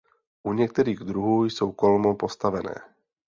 U některých druhů jsou kolmo postavené.